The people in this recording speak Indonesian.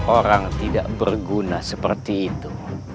orang tidak berguna seperti itu